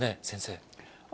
先生。